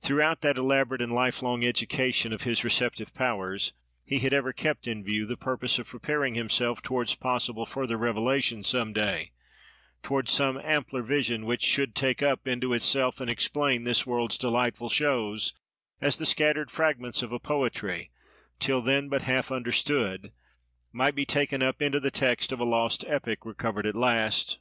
Throughout that elaborate and lifelong education of his receptive powers, he had ever kept in view the purpose of preparing himself towards possible further revelation some day—towards some ampler vision, which should take up into itself and explain this world's delightful shows, as the scattered fragments of a poetry, till then but half understood, might be taken up into the text of a lost epic, recovered at last.